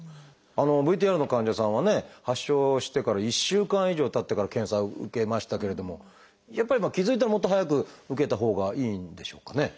ＶＴＲの患者さんはね発症してから１週間以上たってから検査を受けましたけれどもやっぱり気付いたらもっと早く受けたほうがいいんでしょうかね？